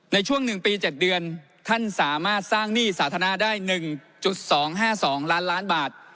ในช่วง๑ปี๗เดือนท่านสามารถสร้างหนี้สาธารณะได้๑๒๕๒ล้านล้านบาท